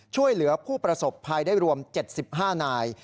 ช่วยเหลือผู้ประสบภัยได้รวม๗๕นาย